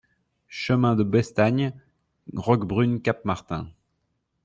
Chemin de Bestagne, Roquebrune-Cap-Martin